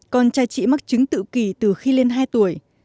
con trai chị mắc chứng tự kỷ từ khi lên hai tuổi